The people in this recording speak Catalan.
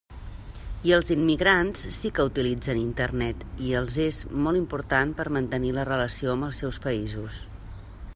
I els immigrants sí que utilitzen Internet i els és molt important per mantenir la relació amb els seus països.